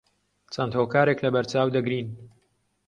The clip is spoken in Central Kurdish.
چەند هۆکارێک لەبەرچاو دەگرین